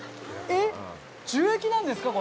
えっ、樹液なんですか？